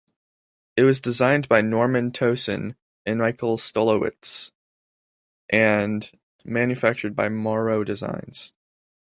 It was designed by Norman Towson and Micheal Stolowitz, and manufactured by Morrow Designs.